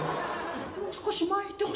もう少し前行ってほしいな